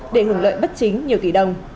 để hưởng lợi bất chính nhiều tỷ đồng